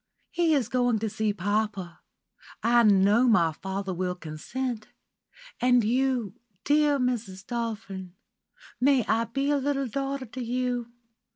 "He is going to see papa. I know my father will consent. And you, dear Mrs. Dolphin? May I be a little daughter to you?